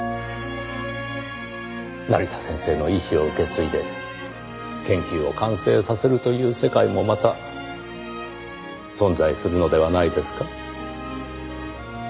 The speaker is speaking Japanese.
成田先生の遺志を受け継いで研究を完成させるという世界もまた存在するのではないですか？